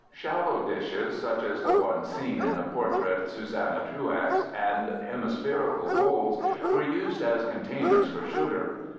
_)] Shallow dishes, such as the one seen in the portrait Susanna Truax, and hemispherical bowls were used as containers for sugar.